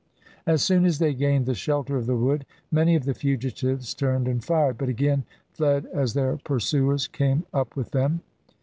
As soon as they gained the shelter of the wood, many of the fugitives turned and fired, but again fled as their pursuers came up with them.